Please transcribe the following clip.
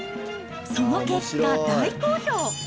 その結果、大好評。